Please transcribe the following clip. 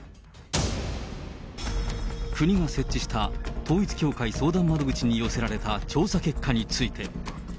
国が設置した統一教会相談窓口に寄せられた調査結果について。